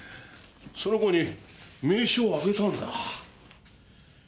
その子に名刺をあげたんだ。